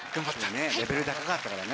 レベル高かったからね。